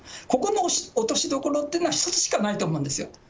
ここの落としどころというのは、一つしかないと思うんですよ。